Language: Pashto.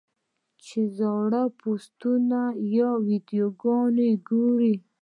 چې زاړۀ پوسټونه يا ويډيوګانې اوګوري -